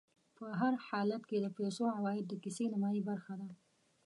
په هر حالت کې د پیسو عوايد د کيسې نیمایي برخه ده